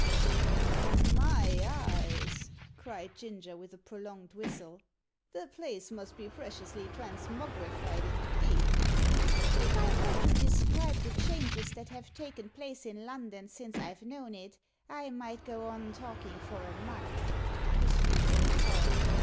"My eyes!" cried Ginger, with a prolonged whistle; "the place must be preciously transmogrified indeed!" "If I were to describe the changes that have taken place in London since I've known it, I might go on talking for a month," pursued Old Parr.